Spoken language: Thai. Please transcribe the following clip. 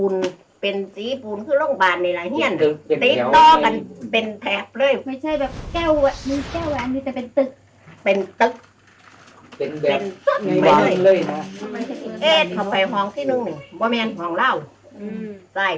โรงพยาบาลเมื่อพร้อมเทพนิยาย